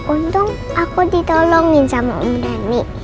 untung aku ditolongin sama om dhani